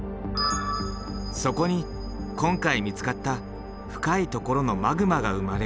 そこに今回見つかった深いところのマグマが生まれる。